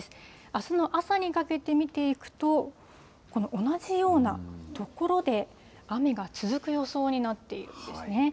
あすの朝にかけて見ていくと、同じような所で、雨が続く予想になっているんですね。